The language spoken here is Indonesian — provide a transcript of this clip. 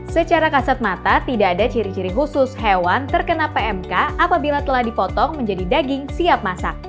secara kasat mata tidak ada ciri ciri khusus hewan terkena pmk apabila telah dipotong menjadi daging siap masak